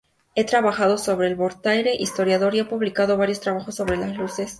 Ha trabajado sobre el Voltaire historiador y ha publicado varios trabajos sobre las Luces.